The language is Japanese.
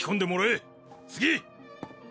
次！！